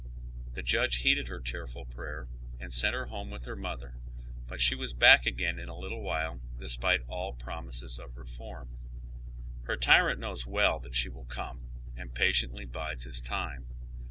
The judge lieeded her tearful prayer, and sent her home with lier mother, but she was back again in a little while despite all promises of reform. Her tyrant knows well that she will come, and patiently bides his time.